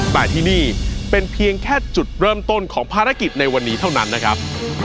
แต่ที่นี่เป็นเพียงแค่จุดเริ่มต้นของภารกิจในวันนี้เท่านั้นนะครับ